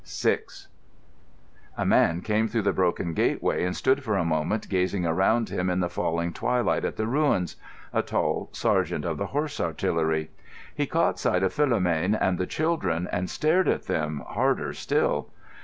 VI A man came through the broken gateway and stood for a moment gazing around him in the falling twilight at the ruins—a tall sergeant of the Horse Artillery. He caught sight of Philomène and the children and stared at them, harder still.